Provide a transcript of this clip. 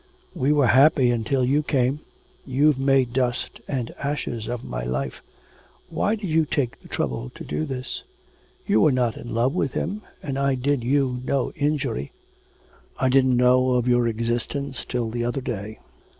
'We were happy until you came... you've made dust and ashes of my life. Why did you take the trouble to do this? You were not in love with him, and I did you no injury.' 'I didn't know of your existence till the other day.